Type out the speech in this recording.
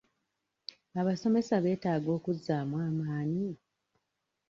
Abasomesa beetaaga okuzzaamu amaanyi?